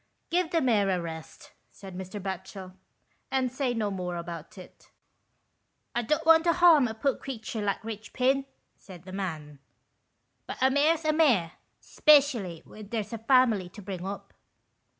"Give the mare a rest," said Mr. Batchel, " and say no more about it." " I don't want to harm a pore creature like Eichpin," said the man, " but a mare's a mare, especially where there's a family to bring up."